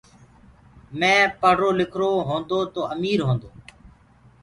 مي پڙهرو لکرو هونٚدو تو امير هونٚدو